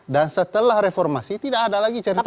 dan setelah reformasi tidak ada lagi cerita